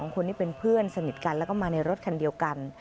คนที่เป็นเพื่อนสนิทกันแล้วก็มาในรถคันเดียวกัน